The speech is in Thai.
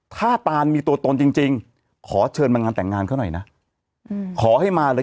ถ้าตานมีตัวตนจริงขอเชิญมางานแต่งงานเขาหน่อยนะขอให้มาเลย